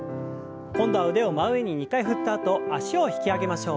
今度は腕を真上に２回振ったあと脚を引き上げましょう。